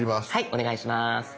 お願いします。